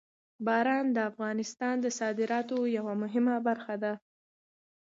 باران د افغانستان د صادراتو یوه مهمه برخه ده.